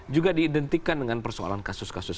juga diidentikan dengan persoalan kasus kasus